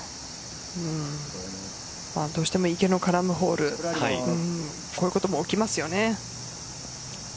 どうしても池の絡むホールこういうことも起きますよね。